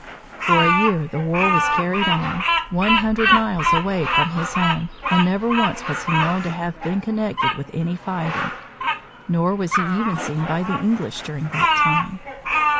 For a year the war was carried on, one hundred miles away from his home, and never once was he known to have been connected with any fighting, nor was he even seen by the English during that time.